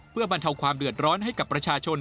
เพื่อบรรเทาความเดือดร้อนให้กับประชาชน